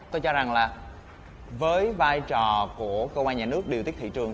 tôi cho rằng là với vai trò của cơ quan nhà nước điều tiết thị trường